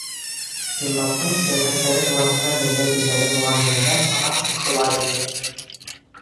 Синдбадтың сәйәхәттәре тураһында беҙгә билдәле булған нәмәләр бына ошолар инде.